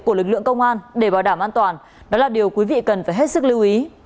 của lực lượng công an để bảo đảm an toàn đó là điều quý vị cần phải hết sức lưu ý